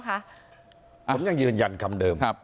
ผมยังยืนยันคำเดิม